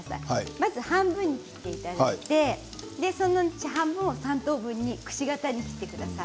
まず半分に切っていただいてそのうちの半分を３等分にくし形に切ってください。